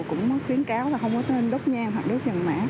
cũng khuyến cáo là không có nên đốt nhang hoặc đốt vàng mã